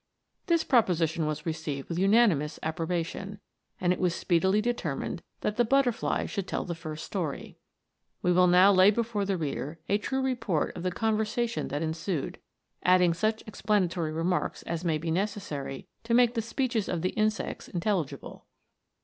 This proposition was received with unanimous approbation, and it was speedily determined that the butterfly should tell the first story. We will now lay before the reader a true report of the conversation that ensued, adding such ex planatory remarks as may be necessary to make the speeches of the insects intelligible.